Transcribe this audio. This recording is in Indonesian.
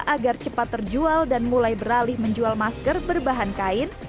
agar cepat terjual dan mulai beralih menjual masker berbahan kain